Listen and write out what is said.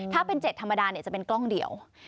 ถ้าเป็น๗ธรรมดาจะเป็นกล้องเดียว